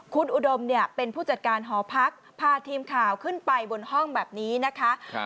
คุณอุดมเนี่ยเป็นผู้จัดการหอพักพาทีมข่าวขึ้นไปบนห้องแบบนี้นะคะ